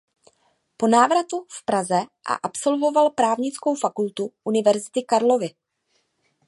Po návratu v Praze a absolvoval Právnickou fakultu Univerzity Karlovy.